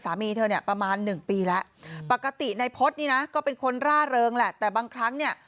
สามีเธอเนี่ยประมาณหนึ่งปีแล้วปกตินายพฤษนี่นะก็เป็นคนร่าเริงแหละแต่บางครั้งเนี่ย